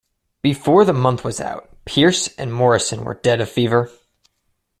Before the month was out Pearce and Morrison were dead of fever.